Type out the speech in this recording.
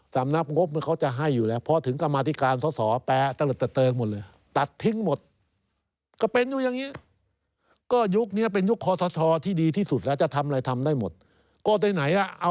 สำนับงบมันเค้าจะให้อยู่แหละ